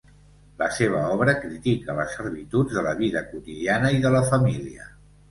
La seva obra critica les servituds de la vida quotidiana i de la família.